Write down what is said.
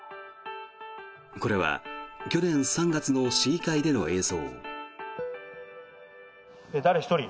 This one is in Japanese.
これは去年３月の市議会での映像。